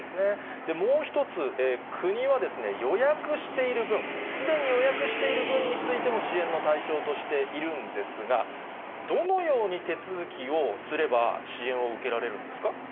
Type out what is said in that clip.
もう一つ、国は予約している分、すでに予約している分についても支援の対象としているんですが、どのように手続きをすれば、支援を受けられるんですか。